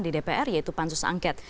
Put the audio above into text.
di dpr yaitu pansus angket